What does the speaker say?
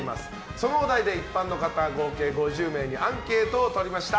そのお題で一般の方合計５０名にアンケートを取りました。